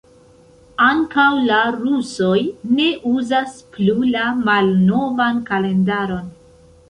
Ankaŭ la rusoj ne uzas plu la malnovan kalendaron.